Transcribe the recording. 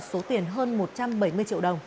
số tiền phụ